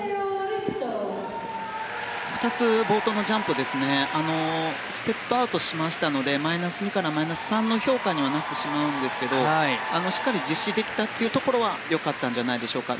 ２つ冒頭のジャンプでステップアウトしましたのでマイナス２からマイナス３の評価にはなってしまうんですがしっかり実施できたというところは良かったんじゃないでしょうか。